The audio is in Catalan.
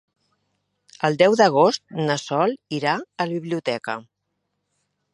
El deu d'agost na Sol irà a la biblioteca.